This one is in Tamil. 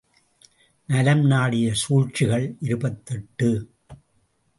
நலம் நாடிய சூழ்ச்சிகள் இருபத்தெட்டு.